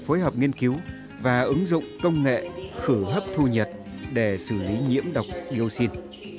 phối hợp nghiên cứu và ứng dụng công nghệ khử hấp thu nhiệt để xử lý nhiễm độc dioxin